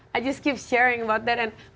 jadi aku terus berbagi tentang itu